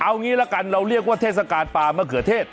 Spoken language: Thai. เอางี้ละกันเราเรียกว่าเทศกาลปลามะเขือเทศ